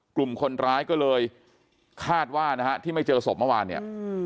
กลุ่มคนร้ายก็เลยคาดว่านะฮะที่ไม่เจอศพเมื่อวานเนี่ย